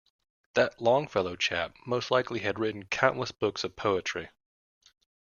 That Longfellow chap most likely had written countless books of poetry.